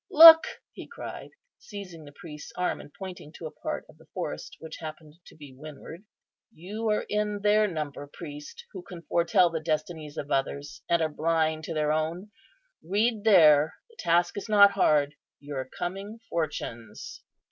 Look," he cried, seizing the priest's arm, and pointing to a part of the forest, which happened to be to windward. "You are in their number, priest, who can foretell the destinies of others, and are blind to their own. Read there, the task is not hard, your coming fortunes."